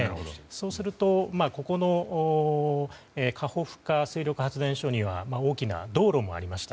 そうするとここのカホフカ水力発電所には大きな道路もありました。